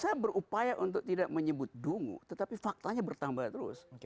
saya berupaya untuk tidak menyebut dungu tetapi faktanya bertambah terus